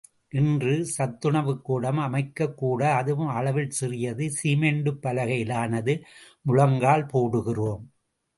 இன்று சத்துணவுக்கூடம் அமைக்கக் கூட அதுவும் அளவில் சிறியது சிமெண்டு பலகையில் ஆனது முழங்கால் போடுகிறோம்.